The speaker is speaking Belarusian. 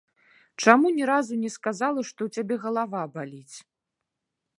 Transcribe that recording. Чаму ні разу не сказала, што ў цябе галава баліць.